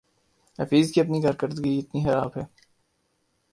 حفیظ کی اپنی کارکردگی ہی اتنی خراب ہے